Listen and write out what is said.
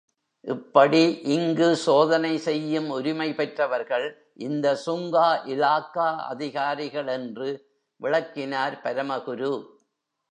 இப்படி இங்கு சோதனை செய்யும் உரிமை பெற்றவர்கள் இந்த சுங்க இலாக்கா அதிகாரிகள், என்று விளக்கினார் பரமகுரு.